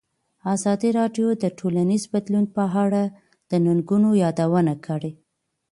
ازادي راډیو د ټولنیز بدلون په اړه د ننګونو یادونه کړې.